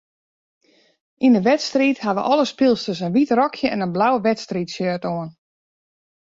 Yn 'e wedstriid hawwe alle spylsters in wyt rokje en in blau wedstriidshirt oan.